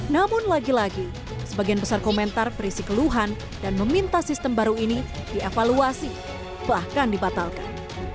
namun lagi lagi sebagian besar komentar berisi keluhan dan meminta sistem baru ini dievaluasi bahkan dibatalkan